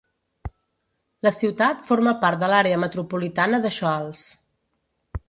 La ciutat forma part de l'àrea metropolitana de Shoals.